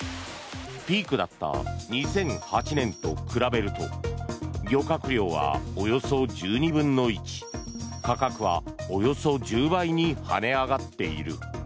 ピークだった２００８年と比べると漁獲量はおよそ１２分の１価格は、およそ１０倍に跳ね上がっている。